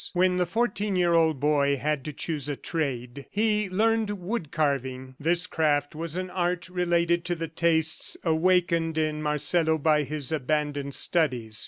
When the fourteen year old boy had to choose a trade, he learned wood carving. This craft was an art related to the tastes awakened in Marcelo by his abandoned studies.